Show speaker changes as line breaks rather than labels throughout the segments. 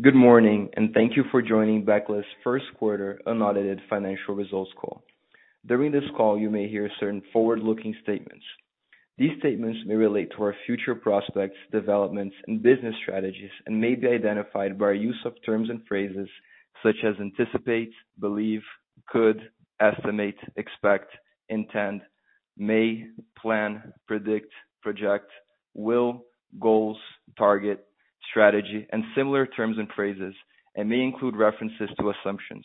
Good morning, and thank you for joining Becle's first quarter unaudited financial results call. During this call, you may hear certain forward-looking statements. These statements may relate to our future prospects, developments, and business strategies and may be identified by our use of terms and phrases such as anticipate, believe, could, estimate, expect, intend, may, plan, predict, project, will, goals, target, strategy, and similar terms and phrases, and may include references to assumptions.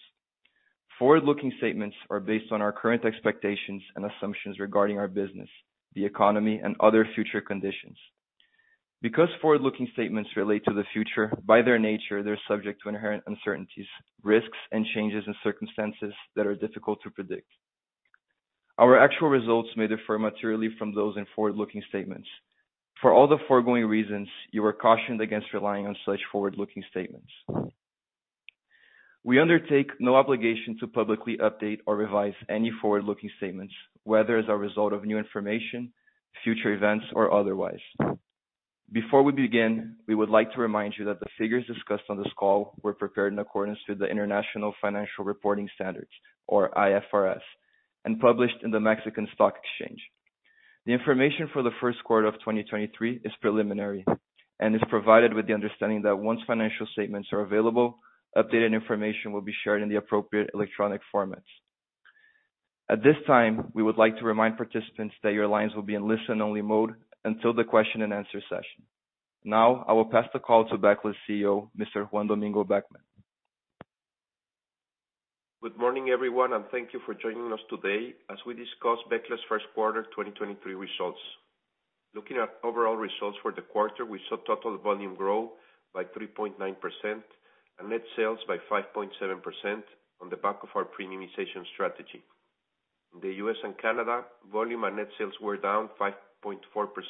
Forward-looking statements are based on our current expectations and assumptions regarding our business, the economy, and other future conditions. Because forward-looking statements relate to the future, by their nature, they're subject to inherent uncertainties, risks, and changes in circumstances that are difficult to predict. Our actual results may differ materially from those in forward-looking statements. For all the foregoing reasons, you are cautioned against relying on such forward-looking statements. We undertake no obligation to publicly update or revise any forward-looking statements, whether as a result of new information, future events, or otherwise. Before we begin, we would like to remind you that the figures discussed on this call were prepared in accordance to the International Financial Reporting Standards, or IFRS, and published in the Mexican Stock Exchange. The information for the first quarter of 2023 is preliminary and is provided with the understanding that once financial statements are available, updated information will be shared in the appropriate electronic formats. At this time, we would like to remind participants that your lines will be in listen-only mode until the question and answer session. I will pass the call to Becle's CEO, Mr. Juan Domingo Beckmann.
Good morning, everyone. Thank you for joining us today as we discuss Becle's first quarter 2023 results. Looking at overall results for the quarter, we saw total volume grow by 3.9% and net sales by 5.7% on the back of our premiumization strategy. In the U.S. and Canada, volume and net sales were down 5.4%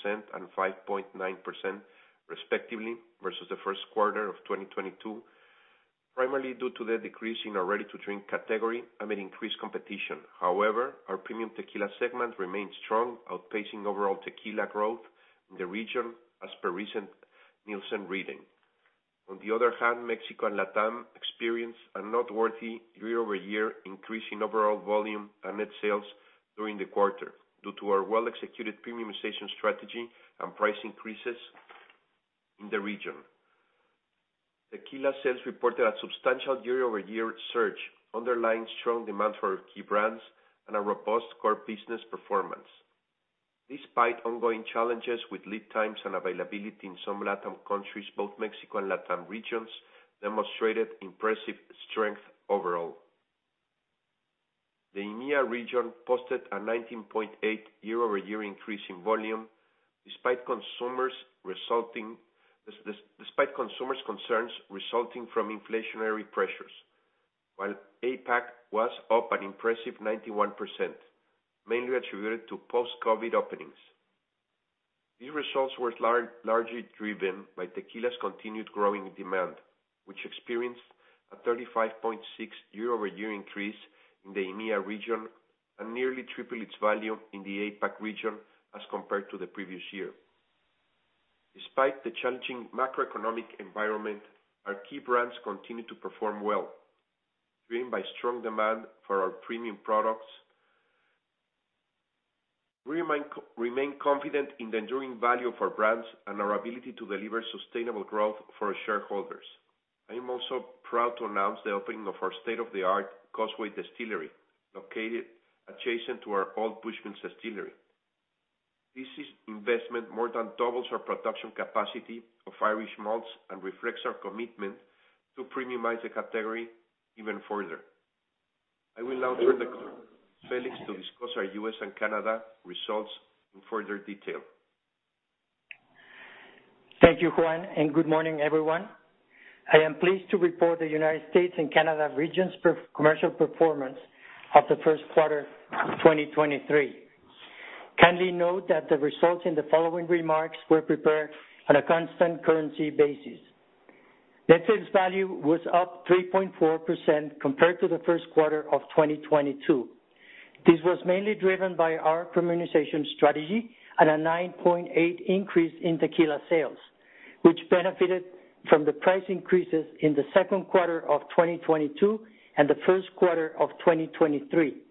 and 5.9% respectively versus the first quarter of 2022, primarily due to the decrease in our ready-to-drink category amid increased competition. However, our premium tequila segment remains strong, outpacing overall tequila growth in the region as per recent Nielsen reading. On the other hand, Mexico and LATAM experienced a noteworthy year-over-year increase in overall volume and net sales during the quarter due to our well-executed premiumization strategy and price increases in the region. Tequila sales reported a substantial year-over-year search underlying strong demand for our key brands and a robust core business performance. Despite ongoing challenges with lead times and availability in some LATAM countries, both Mexico and LATAM regions demonstrated impressive strength overall. The EMEA region posted a 19.8 year-over-year increase in volume despite consumers' concerns resulting from inflationary pressures. While APAC was up an impressive 91%, mainly attributed to post-COVID openings. These results were largely driven by tequila's continued growing demand, which experienced a 35.6 year-over-year increase in the EMEA region and nearly tripled its value in the APAC region as compared to the previous year. Despite the challenging macroeconomic environment, our key brands continue to perform well, driven by strong demand for our premium products. We remain confident in the enduring value of our brands and our ability to deliver sustainable growth for our shareholders. I am also proud to announce the opening of our state-of-the-art Causeway Distillery, located adjacent to our old Bushmills Distillery. This is investment more than doubles our production capacity of Irish malts and reflects our commitment to premiumize the category even further. I will now turn the call to Luis Félix to discuss our US and Canada results in further detail.
Thank you, Juan. Good morning, everyone. I am pleased to report the United States and Canada regions per-commercial performance of the first quarter 2023. Kindly note that the results in the following remarks were prepared on a constant currency basis. Net sales value was up 3.4% compared to the first quarter of 2022. This was mainly driven by our premiumization strategy at a 9.8% increase in tequila sales, which benefited from the price increases in the second quarter of 2022 and the first quarter of 2023.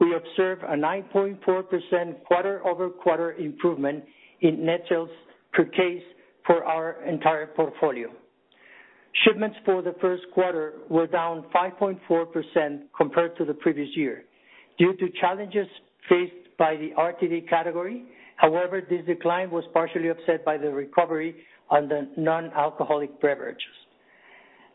We observed a 9.4% quarter-over-quarter improvement in net sales per case for our entire portfolio. Shipments for the first quarter were down 5.4% compared to the previous year due to challenges faced by the RTD category. However, this decline was partially offset by the recovery on the non-alcoholic beverages.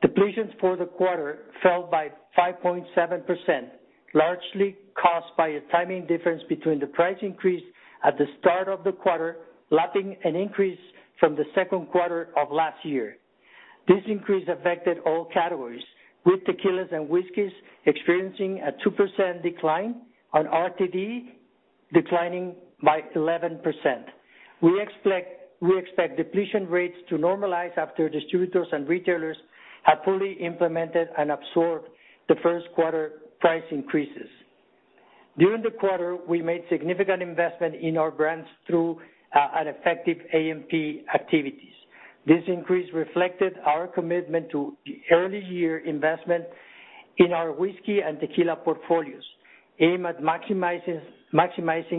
Depletions for the quarter fell by 5.7%, largely caused by a timing difference between the price increase at the start of the quarter, lapping an increase from the second quarter of last year. This increase affected all categories, with tequilas and whiskeys experiencing a 2% decline, and RTD declining by 11%. We expect depletion rates to normalize after distributors and retailers have fully implemented and absorbed the first quarter price increases. During the quarter, we made significant investment in our brands through an effective AMP activities. This increase reflected our commitment to early year investment in our whiskey and tequila portfolios, aimed at maximizing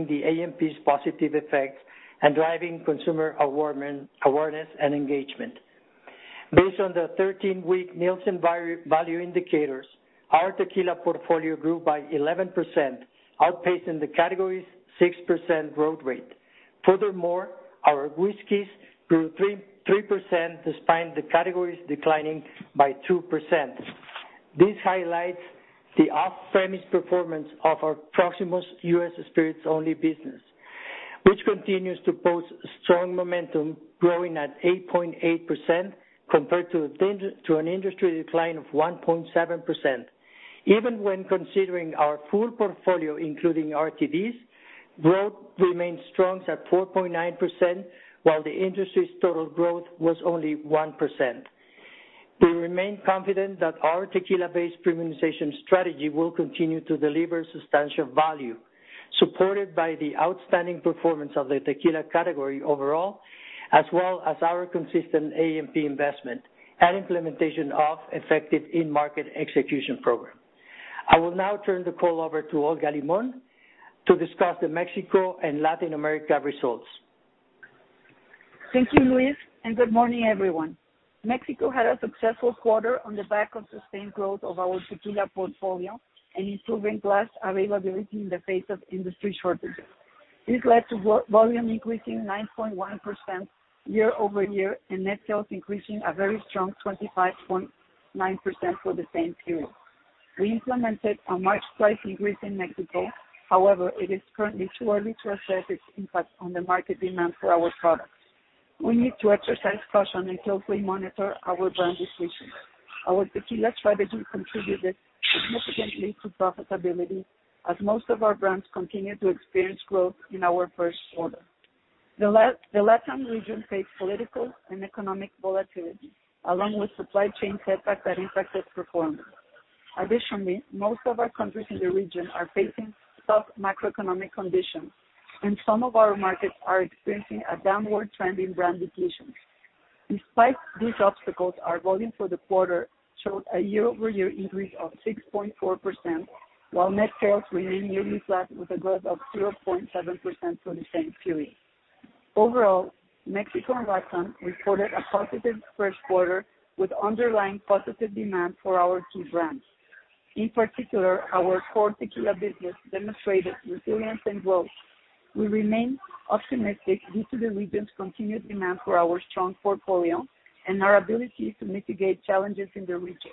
the AMP's positive effects and driving consumer awareness and engagement. Based on the 13-week Nielsen value indicators, our tequila portfolio grew by 11%, outpacing the category's 6% growth rate. Furthermore, our whiskeys grew 3% despite the categories declining by 2%. This highlights the off-premise performance ofour Proximo U.S. Spirits-only business, which continues to post strong momentum, growing at 8.8% compared to an industry decline of 1.7%. Even when considering our full portfolio, including RTDs, growth remains strong at 4.9%, while the industry's total growth was only 1%. We remain confident that our tequila-based premiumization strategy will continue to deliver substantial value, supported by the outstanding performance of the tequila category overall, as well as our consistent AMP investment and implementation of effective in-market execution program. I will now turn the call over to Olga Limón to discuss the Mexico and Latin America results.
Thank you, Luis, Good morning, everyone. Mexico had a successful quarter on the back of sustained growth of our tequila portfolio and improving glass availability in the face of industry shortages. This led to volume increasing 9.1% year-over-year, and net sales increasing a very strong 25.9% for the same period. We implemented a March price increase in Mexico. It is currently too early to assess its impact on the market demand for our products. We need to exercise caution until we monitor our brand decisions. Our tequila strategy contributed significantly to profitability as most of our brands continued to experience growth in our first quarter. The Latin region faced political and economic volatility, along with supply chain setbacks that impacted performance. Additionally, most of our countries in the region are facing tough macroeconomic conditions, and some of our markets are experiencing a downward trend in brand depletions. Despite these obstacles, our volume for the quarter showed a year-over-year increase of 6.4%, while net sales remained nearly flat with a growth of 0.7% for the same period. Overall, Mexico and Latin reported a positive first quarter with underlying positive demand for our key brands. In particular, our core tequila business demonstrated resilience and growth. We remain optimistic due to the region's continued demand for our strong portfolio and our ability to mitigate challenges in the region.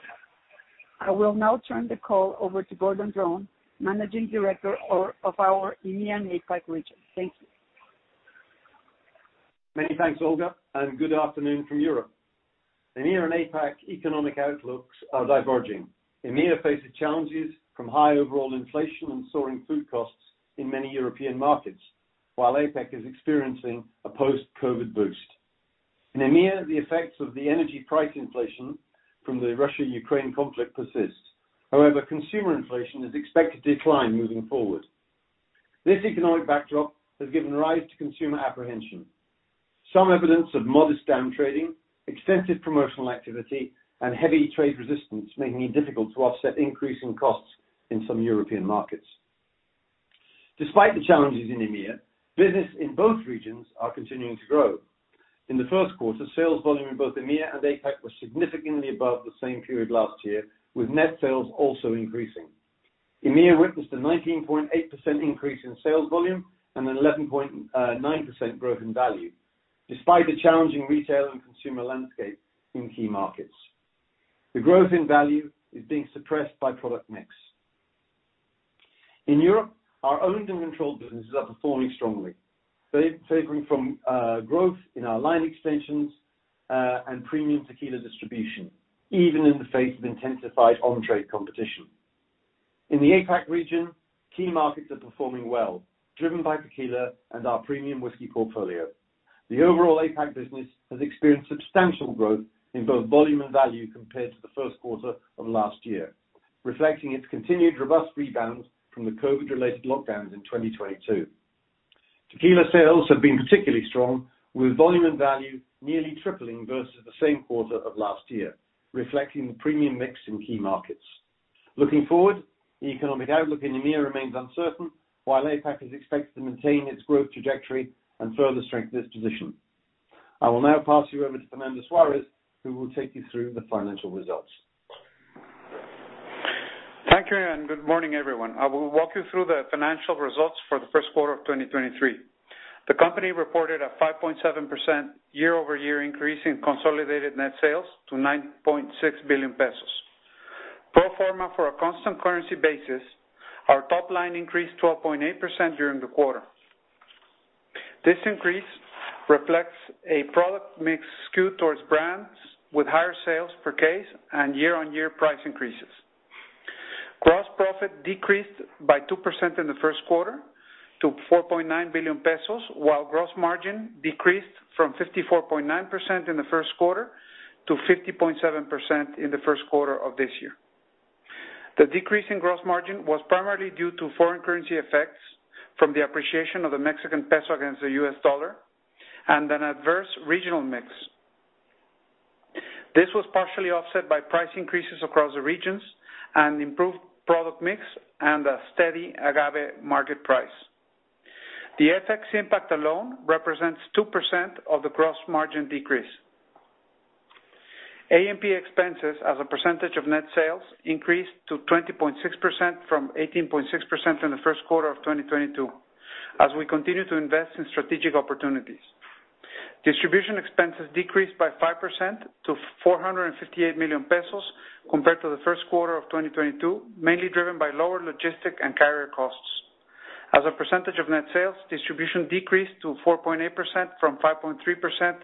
I will now turn the call over to Gordon Dron, Managing Director of our EMEA and APAC region. Thank you.
Many thanks, Olga, and good afternoon from Europe. EMEA and APAC economic outlooks are diverging. EMEA faces challenges from high overall inflation and soaring food costs in many European markets, while APAC is experiencing a post-COVID boost. In EMEA, the effects of the energy price inflation from the Russia-Ukraine conflict persists. However, consumer inflation is expected to decline moving forward. This economic backdrop has given rise to consumer apprehension. Some evidence of modest downtrading, extensive promotional activity, and heavy trade resistance making it difficult to offset increasing costs in some European markets. Despite the challenges in EMEA, business in both regions are continuing to grow. In the first quarter, sales volume in both EMEA and APAC was significantly above the same period last year, with net sales also increasing. EMEA witnessed a 19.8% increase in sales volume and an 11.9% growth in value, despite the challenging retail and consumer landscape in key markets. The growth in value is being suppressed by product mix. In Europe, our owned and controlled businesses are performing strongly, favoring from growth in our line extensions and premium tequila distribution, even in the face of intensified on-trade competition. In the APAC region, key markets are performing well, driven by tequila and our premium whiskey portfolio. The overall APAC business has experienced substantial growth in both volume and value compared to the first quarter of last year, reflecting its continued robust rebound from the COVID-related lockdowns in 2022. Tequila sales have been particularly strong, with volume and value nearly tripling versus the same quarter of last year, reflecting the premium mix in key markets. Looking forward, the economic outlook in EMEA remains uncertain, while APAC is expected to maintain its growth trajectory and further strengthen its position. I will now pass you over to Fernando Suarez, who will take you through the financial results.
Thank you. Good morning, everyone. I will walk you through the financial results for the first quarter of 2023. The company reported a 5.7% year-over-year increase in consolidated net sales to 9.6 billion pesos. Pro forma for a constant currency basis, our top line increased 12.8% during the quarter. This increase reflects a product mix skewed towards brands with higher sales per case and year-on-year price increases. Gross profit decreased by 2% in the first quarter to 4.9 billion pesos, while gross margin decreased from 54.9% in the first quarter to 50.7% in the first quarter of this year. The decrease in gross margin was primarily due to foreign currency effects from the appreciation of the Mexican peso against the US dollar and an adverse regional mix. This was partially offset by price increases across the regions and improved product mix and a steady agave market price. The FX impact alone represents 2% of the gross margin decrease. A&P expenses as a percentage of net sales increased to 20.6% from 18.6% in the first quarter of 2022 as we continue to invest in strategic opportunities. Distribution expenses decreased by 5% to 458 million pesos compared to the first quarter of 2022, mainly driven by lower logistic and carrier costs. As a percentage of net sales, distribution decreased to 4.8% from 5.3%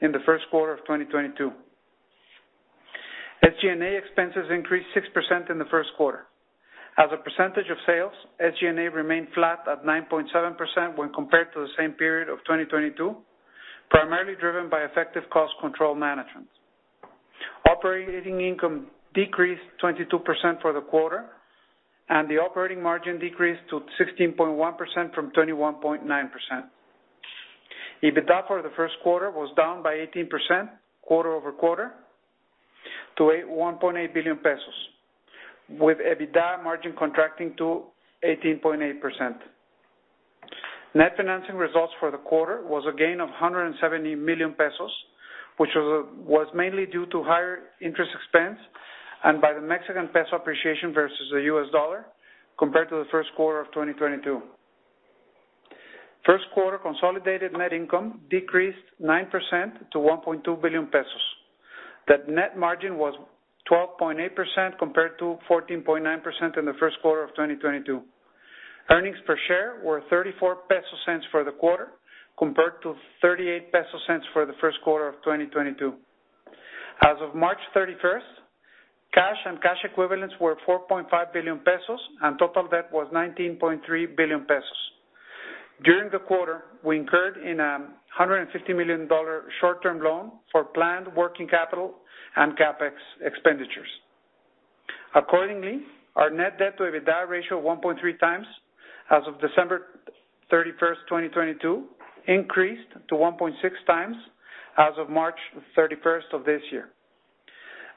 in the first quarter of 2022. SG&A expenses increased 6% in the first quarter. As a percentage of sales, SG&A remained flat at 9.7% when compared to the same period of 2022, primarily driven by effective cost control management. Operating income decreased 22% for the quarter, and the operating margin decreased to 16.1% from 21.9%. EBITDA for the first quarter was down by 18% quarter-over-quarter to 8.18 billion pesos, with EBITDA margin contracting to 18.8%. Net financing results for the quarter was a gain of 170 million pesos, which was mainly due to higher interest expense and by the Mexican peso appreciation versus the US dollar compared to the first quarter of 2022. First quarter consolidated net income decreased 9% to 1.2 billion pesos. The net margin was 12.8% compared to 14.9% in the first quarter of 2022. Earnings per share were 0.34 for the quarter compared to 0.38 for the first quarter of 2022. As of March 31st, cash and cash equivalents were 4.5 billion pesos, and total debt was 19.3 billion pesos. During the quarter, we incurred in a $150 million short-term loan for planned working capital and CapEx expenditures. Accordingly, our net debt to EBITDA ratio of 1.3 times as of December 31st, 2022, increased to 1.6 times as of March 31st of this year.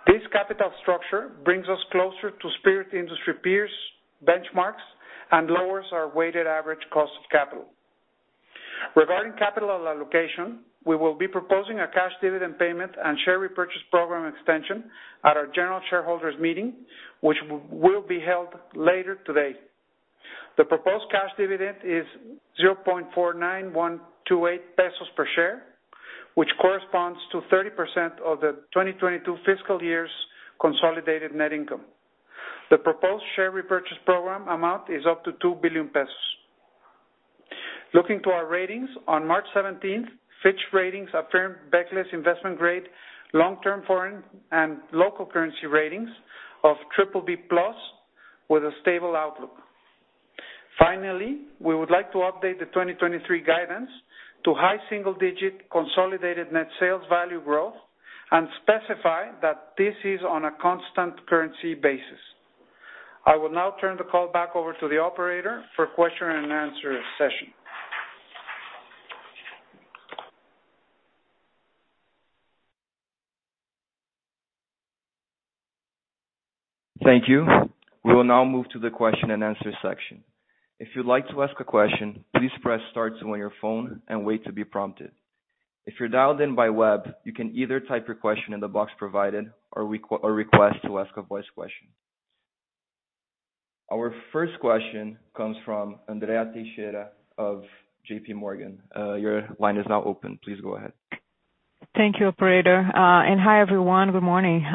This capital structure brings us closer to spirit industry peers' benchmarks and lowers our weighted average cost of capital. Regarding capital allocation, we will be proposing a cash dividend payment and share repurchase program extension at our general shareholders meeting, which will be held later today. The proposed cash dividend is 0.49128 pesos per share, which corresponds to 30% of the 2022 fiscal year's consolidated net income. The proposed share repurchase program amount is up to 2 billion pesos. Looking to our ratings, on March 17th, Fitch Ratings affirmed Becle's investment-grade long-term foreign and local currency ratings of BBB+ with a stable outlook. Finally, we would like to update the 2023 guidance to high single-digit consolidated net sales value growth and specify that this is on a constant currency basis. I will now turn the call back over to the operator for question and answer session.
Thank you. We will now move to the question-and-answer section. If you'd like to ask a question, please press star two on your phone and wait to be prompted. If you're dialed in by web, you can either type your question in the box provided or request to ask a voice question. Our first question comes from Andrea Teixeira of JP Morgan. Your line is now open. Please go ahead.
Thank you, operator. Hi, everyone. Good morning.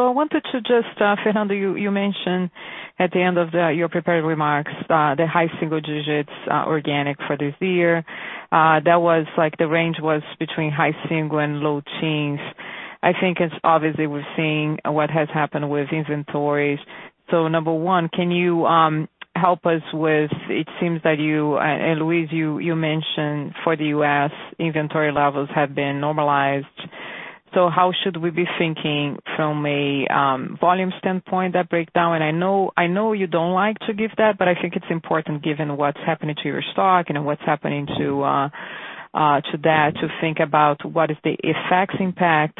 I wanted to just, Fernando, you mentioned at the end of your prepared remarks, the high single digits organic for this year, that was like the range was between high single and low teens. I think it's obviously we're seeing what has happened with inventories. Number one, can you help us with, it seems that you and Luis, you mentioned for the U.S. inventory levels have been normalized. How should we be thinking from a volume standpoint, that breakdown? I know, I know you don't like to give that, but I think it's important given what's happening to your stock and what's happening to that, to think about what is the FX impact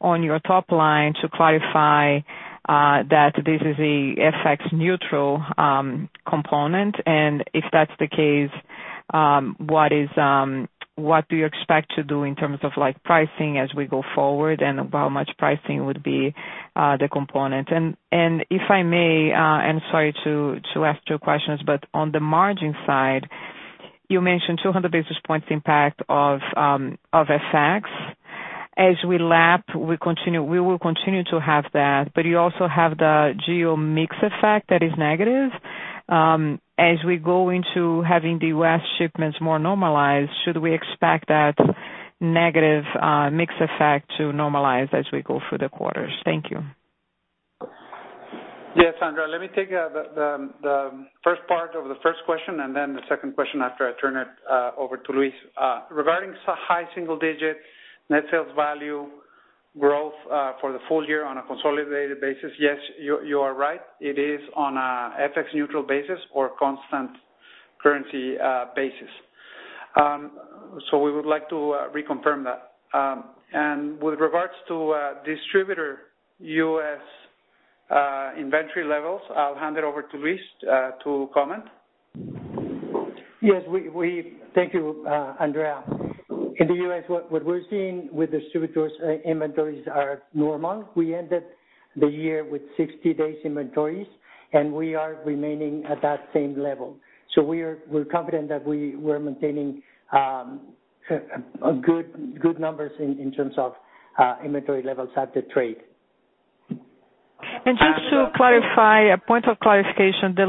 on your top line to clarify that this is a FX neutral component. If that's the case, what do you expect to do in terms of like pricing as we go forward, and about how much pricing would be the component? If I may, and sorry to ask two questions, but on the margin side, you mentioned 200 basis points impact of FX. As we lap, we will continue to have that, but you also have the geo-mix effect that is negative. As we go into having the U.S. shipments more normalized, should we expect that negative mix effect to normalize as we go through the quarters? Thank you.
Yes, Andrea, let me take the first part of the first question and then the second question after I turn it over to Luis. Regarding high single digit net sales value growth for the full year on a consolidated basis, yes, you are right. It is on a FX neutral basis or constant currency basis. We would like to reconfirm that. With regards to distributor US inventory levels, I'll hand it over to Luis to comment.
Yes, we. Thank you, Andrea. In the U.S., what we're seeing with distributors' inventories are normal. We ended the year with 60 days inventories, and we are remaining at that same level. We're confident that we were maintaining a good numbers in terms of inventory levels at the trade.
Just to clarify, a point of clarification, the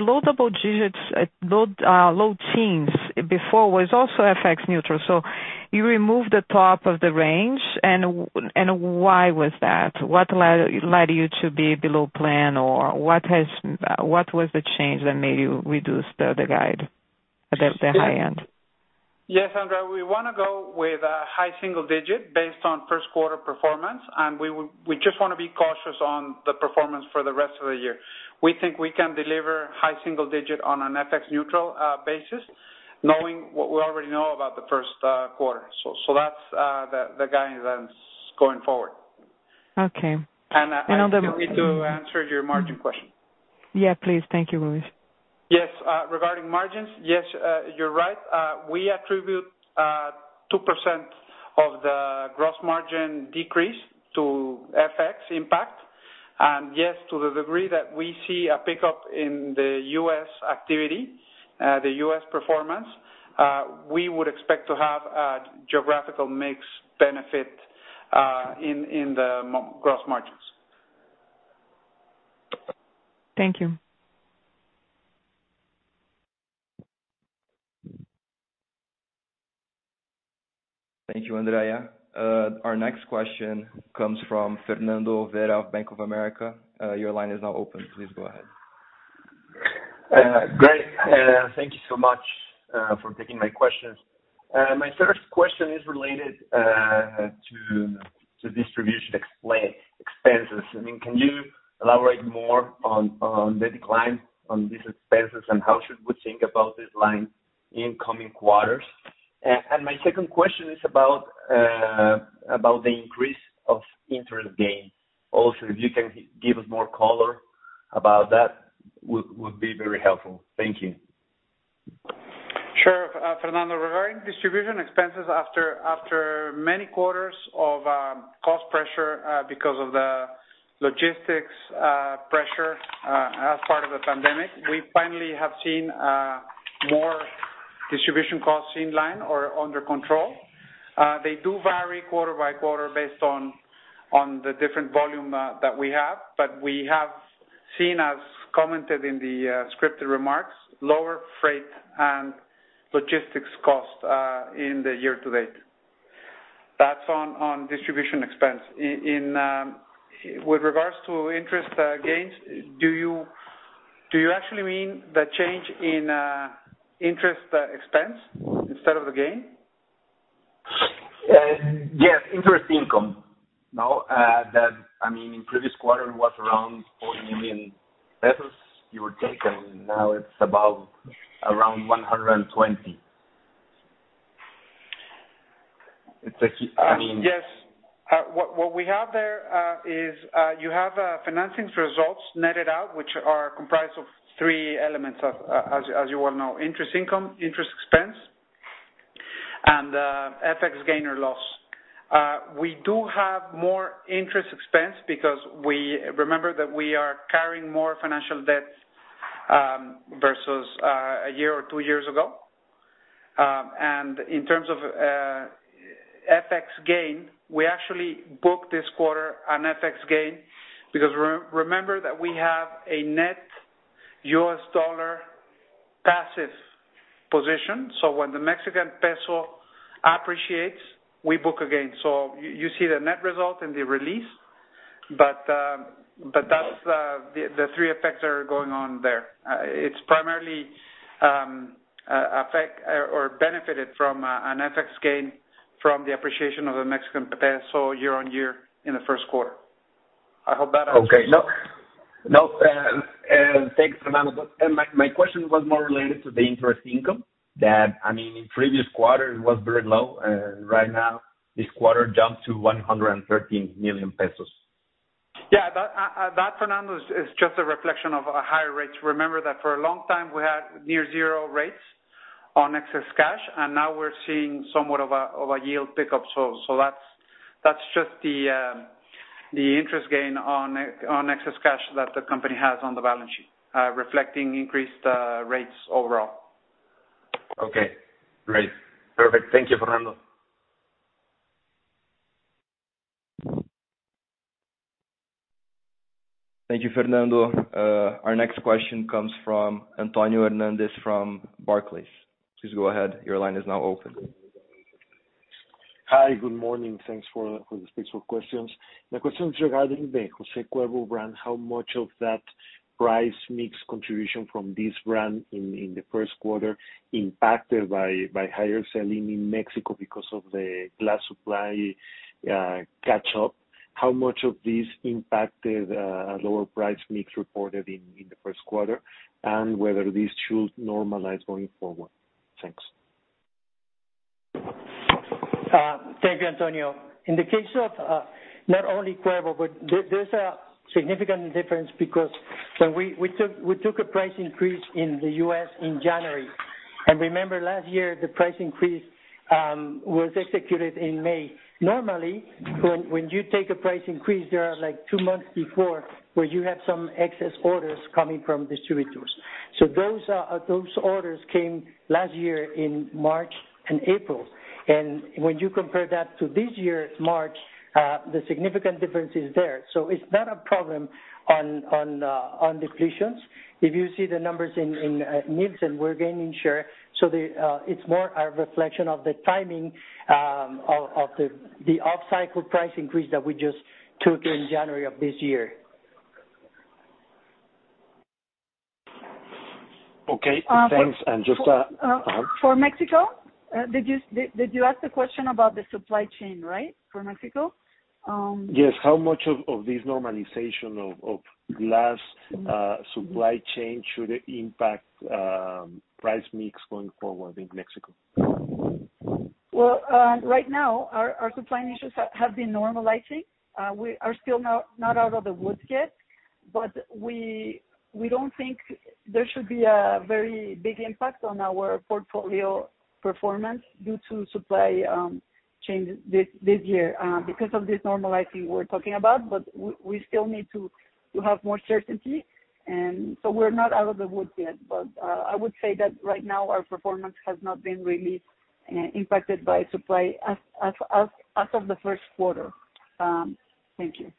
low double digits, low teens before was also FX neutral. You removed the top of the range, why was that? What allowed you to be below plan or what was the change that made you reduce the guide at the high end?
Yes, Andrea, we wanna go with a high single digit based on first quarter performance. We just wanna be cautious on the performance for the rest of the year. We think we can deliver high single digit on an FX neutral basis, knowing what we already know about the first quarter. That's the guidance going forward.
Okay.
I still need to answer your margin question.
Yeah, please. Thank you, Luis.
Regarding margins, yes, you're right. We attribute 2% of the gross margin decrease to FX impact. To the degree that we see a pickup in the U.S. activity, the U.S. performance, we would expect to have a geographical mix benefit in the gross margins.
Thank you.
Thank you, Andrea. Our next question comes from Fernando Vera of Bank of America. Your line is now open. Please go ahead.
Great. Thank you so much for taking my questions. My first question is related to distribution expenses. I mean, can you elaborate more on the decline on these expenses and how should we think about this line in coming quarters? My second question is about the increase of interest gain. Also, if you can give us more color about that would be very helpful. Thank you.
Sure, Fernando. Regarding distribution expenses after many quarters of cost pressure because of the logistics pressure as part of the pandemic, we finally have seen more distribution costs in line or under control. They do vary quarter by quarter based on the different volume that we have. We have seen, as commented in the scripted remarks, lower freight and logistics costs in the year to date. That's on distribution expense. In with regards to interest gains, do you actually mean the change in interest expense instead of the gain?
Yes, interest income. Now, I mean, in previous quarter, it was around 40 million pesos you were taking. Now it's about around 120 million. I mean.
Yes. What we have there is you have financings results netted out, which are comprised of three elements as you well know: interest income, interest expense, and FX gain or loss. We do have more interest expense because we remember that we are carrying more financial debts versus a year or 2 years ago. In terms of FX gain, we actually booked this quarter an FX gain because remember that we have a net U.S. dollar passive position. When the Mexican peso appreciates, we book a gain. You see the net result in the release, but that's the three effects that are going on there. It's primarily benefited from an FX gain from the appreciation of the Mexican peso year-on-year in the first quarter. I hope that answers.
Okay. No, no. Thanks, Fernando. My question was more related to the interest income that, I mean, in previous quarters was very low, right now this quarter jumped to 113 million pesos.
That, Fernando, is just a reflection of higher rates. Remember that for a long time, we had near zero rates on excess cash, and now we're seeing somewhat of a yield pickup. That's just the interest gain on excess cash that the company has on the balance sheet, reflecting increased rates overall.
Okay, great. Perfect. Thank you, Fernando.
Thank you, Fernando. Our next question comes from Antonio Hernández from Barclays. Please go ahead. Your line is now open.
Hi, good morning. Thanks for the space for questions. My question is regarding the Jose Cuervo brand. How much of that price mix contribution from this brand in the first quarter impacted by higher selling in Mexico because of the glass supply catch up? How much of this impacted lower price mix reported in the first quarter? Whether this should normalize going forward. Thanks. Thank you, Antonio. In the case of not only Cuervo, but there's a significant difference because when we took a price increase in the U.S. in January. Remember, last year, the price increase was executed in May. Normally, when you take a price increase, there are like two months before where you have some excess orders coming from distributors. Those orders came last year in March and April. When you compare that to this year's March, the significant difference is there. It's not a problem on depletions. If you see the numbers in Nielsen, we're gaining share. It's more a reflection of the timing of the off-cycle price increase that we just took in January of this year. Okay, thanks. Just
For Mexico, did you ask the question about the supply chain, right, for Mexico?
Yes. How much of this normalization of glass supply chain should impact price mix going forward in Mexico?
Right now our supply initiatives have been normalizing. We are still not out of the woods yet, but we don't think there should be a very big impact on our portfolio performance due to supply changes this year, because of this normalizing we're talking about. We still need to have more certainty and so we're not out of the woods yet. I would say that right now our performance has not been really impacted by supply as of the first quarter. Thank you.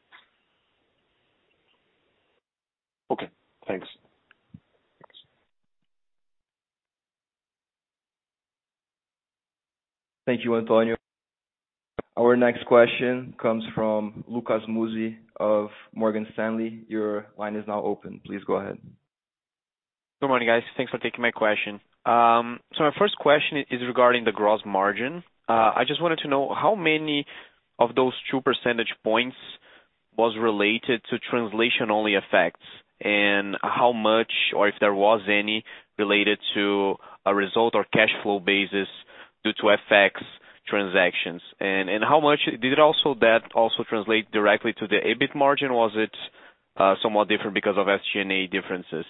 Okay, thanks. Thanks.
Thank you, Antonio. Our next question comes from Lucas Mussi of Morgan Stanley. Your line is now open. Please go ahead.
Good morning, guys. Thanks for taking my question. So my first question is regarding the gross margin. I just wanted to know how many of those 2 percentage points was related to translation-only effects and how much, or if there was any, related to a result or cash flow basis due to FX transactions? Did it also translate directly to the EBIT margin? Was it somewhat different because of SG&A differences?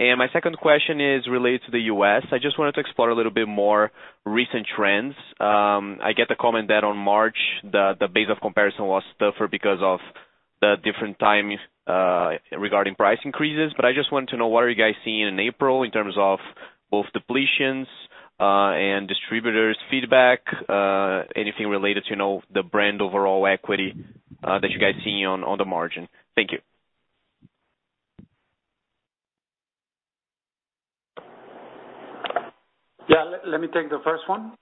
My second question is related to the US. I just wanted to explore a little bit more recent trends. I get the comment that on March the base of comparison was tougher because of the different timing regarding price increases. I just wanted to know, what are you guys seeing in April in terms of both depletions, and distributors' feedback, anything related to, you know, the brand overall equity, that you guys see on the margin? Thank you.
Yeah. Let me take the first one.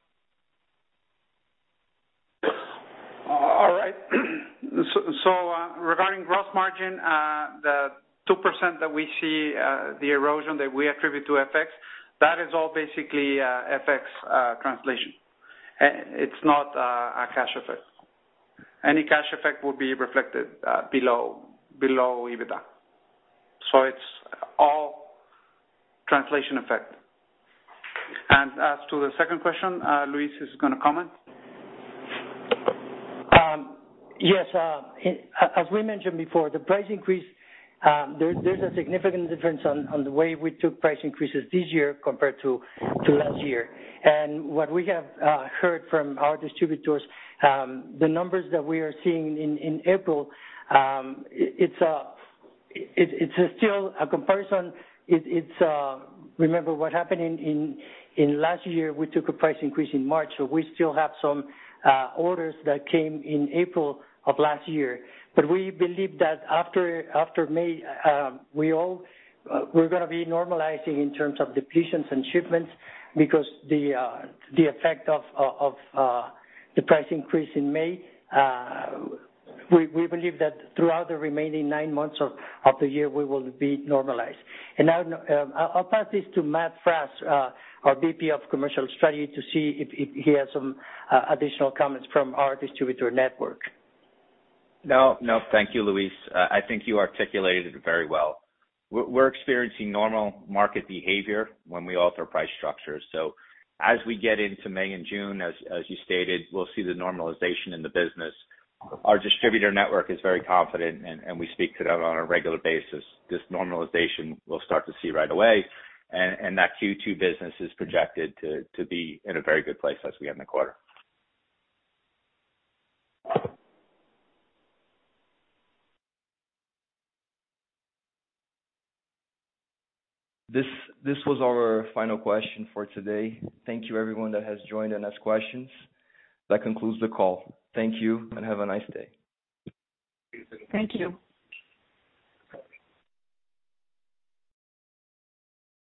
All right. Regarding gross margin, the 2% that we see, the erosion that we attribute to FX, that is all basically FX translation. It's not a cash effect. Any cash effect will be reflected below EBITDA. It's all translation effect. As to the second question, Luis is gonna comment. Yes. As we mentioned before, the price increase, there's a significant difference on the way we took price increases this year compared to last year. What we have heard from our distributors, the numbers that we are seeing in April, it's still a comparison. It's remember what happened in last year, we took a price increase in March, we still have some orders that came in April of last year. We believe that after May, we all we're gonna be normalizing in terms of depletions and shipments because the effect of the price increase in May, we believe that throughout the remaining 9 months of the year, we will be normalized. Now, I'll pass this to Matt Frass, our VP of Commercial Strategy, to see if he has some additional comments from our distributor network.
No, no, thank you, Luis. I think you articulated it very well. We're experiencing normal market behavior when we alter price structures. As we get into May and June, as you stated, we'll see the normalization in the business. Our distributor network is very confident, and we speak to them on a regular basis. This normalization we'll start to see right away, and that Q2 business is projected to be in a very good place as we end the quarter.
This was our final question for today. Thank you everyone that has joined and asked questions. That concludes the call. Thank you, and have a nice day.
Thank you.
Thank you.